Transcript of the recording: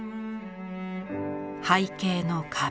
背景の壁。